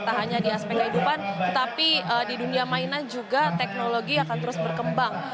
tak hanya di aspek kehidupan tetapi di dunia mainan juga teknologi akan terus berkembang